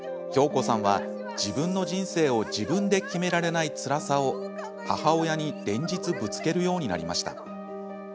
恭子さんは、自分の人生を自分で決められないつらさを母親に連日ぶつけるようになりました。